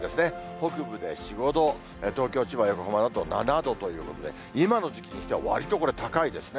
北部で４、５度、東京、千葉、横浜など７度ということで、今の時期にしては、わりと高いですね。